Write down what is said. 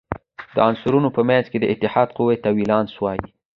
د عنصرونو په منځ کې د اتحاد قوې ته ولانس وايي.